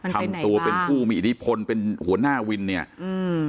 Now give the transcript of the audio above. ทำตัวเป็นผู้มีอิทธิพลเป็นหัวหน้าวินเนี่ยอืม